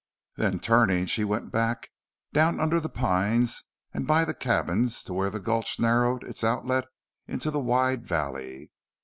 Then turning, she went back, down under the pines and by the cabins, to where the gulch narrowed its outlet into the wide valley.